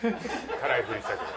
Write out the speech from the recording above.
辛いふりしたけど。